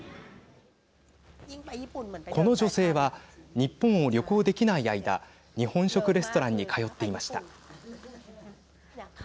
この女性は日本を旅行できない間日本食レストランに通っていました。